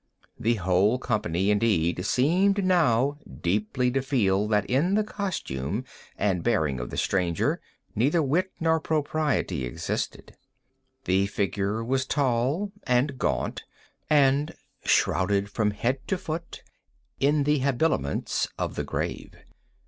The whole company, indeed, seemed now deeply to feel that in the costume and bearing of the stranger neither wit nor propriety existed. The figure was tall and gaunt, and shrouded from head to foot in the habiliments of the grave.